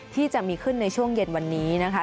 ที่จะมีขึ้นในช่วงเย็นวันนี้นะคะ